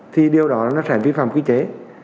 thì điều đó nó sẽ vi phạm quy chế